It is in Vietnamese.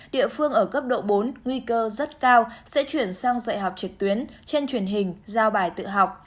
địa phương ở cấp độ bốn nguy cơ rất cao sẽ chuyển sang dạy học trực tuyến trên truyền hình giao bài tự học